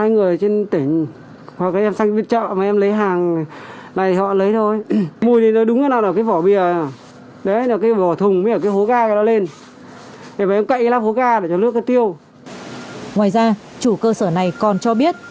ngoài ra chủ cơ sở này còn cho biết